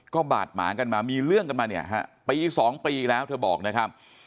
ก็บาดหมางกันมามีเรื่องกันมาเนี่ยฮะปี๒ปีแล้วเธอบอกนะครับ